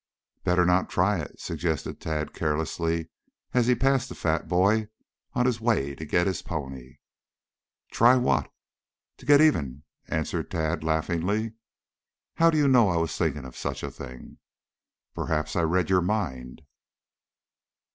"Better not try it," suggested Tad carelessly as he passed the fat boy on his way to get his pony. "Try what?" "To get even," answered Tad laughingly. "How do you know that I was thinking of such a thing?" "Perhaps I read your mind."